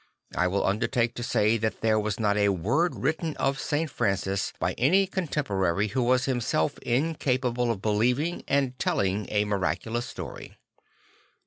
I will undertake to say there was not a word written of St. Francis by any contemporary who was himself incapable of believing and telling a miraculous story.